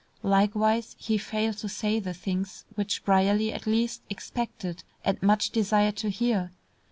Likewise he failed to say the things which Brierly, at least, expected, and much desired to hear.